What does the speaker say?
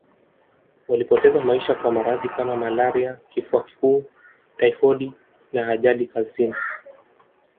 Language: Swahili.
Walipoteza maisha kwa maradhi kama malaria Kifua kikuu taifodi na ajali kazini